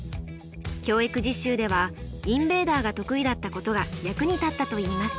教育実習ではインベーダーが得意だったことが役に立ったといいます。